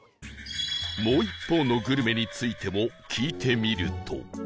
もう一方のグルメについても聞いてみると